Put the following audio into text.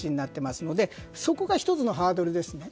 そこが１つのハードルです。